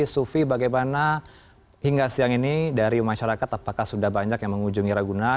sufi bagaimana hingga siang ini dari masyarakat apakah sudah banyak yang mengunjungi ragunan